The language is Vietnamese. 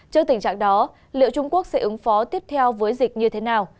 trước tình trạng đó liệu trung quốc sẽ ứng phó tiếp theo với dịch như thế nào